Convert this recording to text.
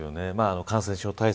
感染症対策